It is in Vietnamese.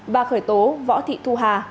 và khởi tố võ thị thu hà